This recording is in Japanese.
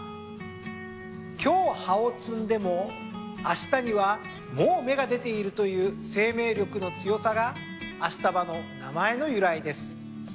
今日葉を摘んでもあしたにはもう芽が出ているという生命力の強さがアシタバの名前の由来です。